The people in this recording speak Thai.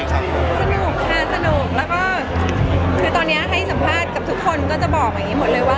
สนุกค่ะสนุกแล้วก็คือตอนนี้ให้สัมภาษณ์กับทุกคนก็จะบอกอย่างนี้หมดเลยว่า